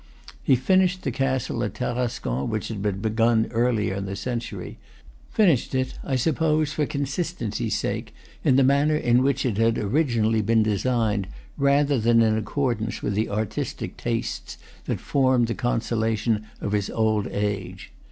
He finished the castle at Tarascon, which had been begun earlier in the century, finished it, I suppose, for consistency's sake, in the manner in which it had originally been designed rather than in accordance with the artistic tastes that formed the consolation of his old age.